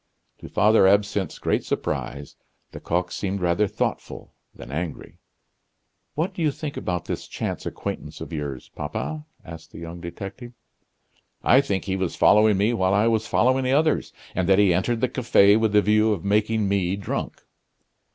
To Father Absinthe's great surprise, Lecoq seemed rather thoughtful than angry. "What do you think about this chance acquaintance of yours, papa?" asked the young detective. "I think he was following me while I was following the others, and that he entered the cafe with the view of making me drunk."